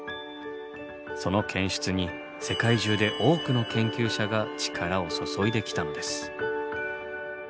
その検出に世界中で多くの研究者が力を注いできたのです。